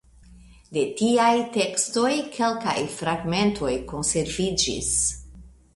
De tiaj tekstoj kelkaj fragmentoj konserviĝis.